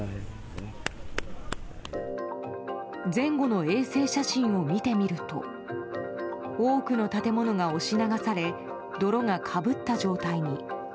前後の衛星写真を見てみると多くの建物が押し流され泥が被った状態に。